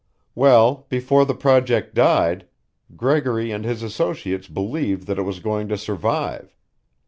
"Well, before the project died, Gregory and his associates believed that it was going to survive.